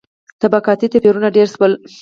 • طبقاتي توپیرونه ډېر شول.